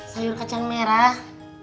sayur kacang merah